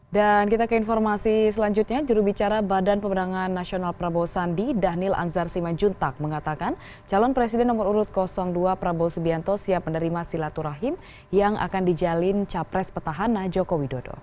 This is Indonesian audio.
dan kita ke informasi selanjutnya jurubicara badan pemenangan nasional prabowo sandi dhanil anzar simanjuntak mengatakan calon presiden nomor urut dua prabowo subianto siap menerima silaturahim yang akan dijalin capres petahana joko widodo